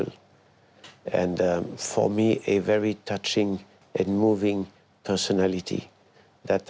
และเพื่อฉันเป็นคนแสดงทักษะสุดท้าย